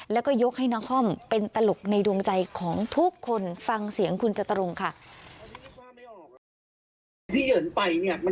แล้วก็ยกให้นครเป็นตลกในดวงใจของทุกคนฟังเสียงคุณจตุรงค่ะ